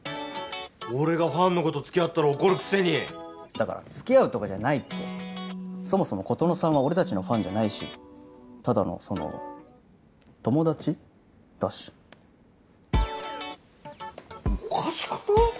俺がファンの子とつきあったら怒るくせにだからつきあうとかじゃないってそもそも琴乃さんは俺たちのファンじゃないしただのその友達？だしおかしくない？